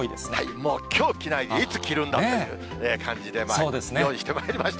もうきょう着ないでいつ着るんだって感じで用意してまいりました。